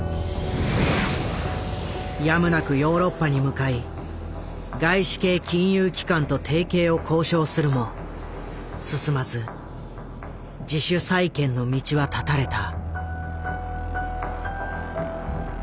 やむなくヨーロッパに向かい外資系金融機関と提携を交渉するも進まず自主再建の道は絶たれた。